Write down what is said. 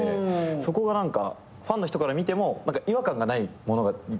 そこがファンの人から見ても違和感がないものが出来上がる。